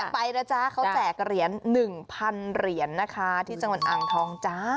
แก้ไปแล้วจ้าเขาแจกเหรียญ๑๐๐๐เหรียญนะคะที่จำนวนอ่างทองจ้า